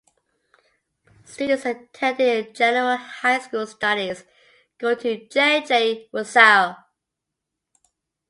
Students attending general high school studies go to J. J. Rousseau.